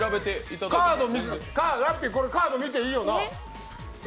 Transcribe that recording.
ラッピー、これカード見ていいよな？